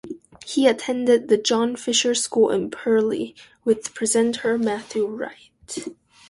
He attended the John Fisher School in Purley, with presenter Matthew Wright.